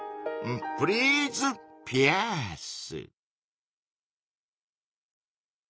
プリーズピアース。